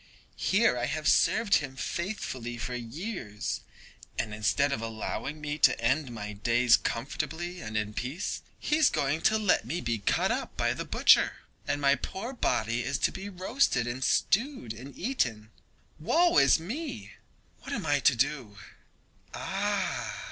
Here I have served him faithfully for years, and instead of allowing me to end my days comfortably and in peace, he is going to let me be cut up by the butcher, and my poor body is to be roasted and stewed and eaten? Woe is me! What am I to do. Ah!